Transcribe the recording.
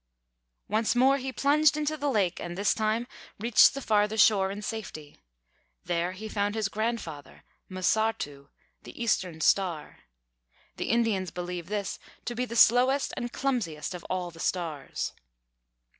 Once more he plunged into the lake, and this time reached the farther shore in safety. There he found his grandfather, "M'Sārtū," the Eastern Star. (The Indians believe this to be the slowest and clumsiest of all the stars.)